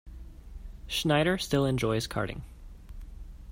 Schneider still enjoys karting.